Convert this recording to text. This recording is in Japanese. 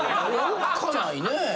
おっかないねぇ。